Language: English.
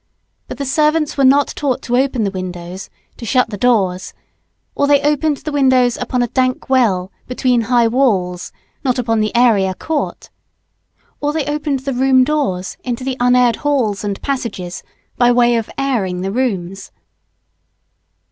But the servants were not taught to open the windows, to shut the doors; or they opened the windows upon a dank well between high walls, not upon the airier court; or they opened the room doors into the unaired halls and passages, by way of airing the rooms.